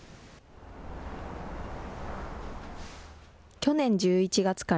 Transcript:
去年１１月から、